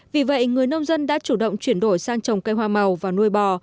vì vậy người nông dân đã chủ động chuyển đổi sang trồng cây hoa màu và nuôi bò